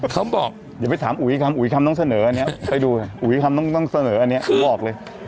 เขาบอกอย่าไปถามอุยอีกคำอุยอีกคำต้องเสนออันเนี้ยไปดูอุยอีกคำต้องต้องเสนออันเนี้ยบอกเลย